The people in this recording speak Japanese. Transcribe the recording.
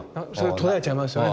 途絶えちゃいますよね